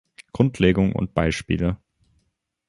Grundlegung und Beispiele".